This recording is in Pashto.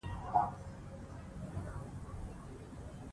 د باور ماتېدل ژر کېږي